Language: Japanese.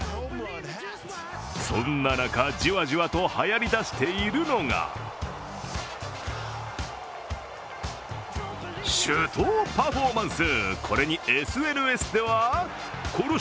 そんな中、じわじわとはやりだしているのが手刀パフォーマンス。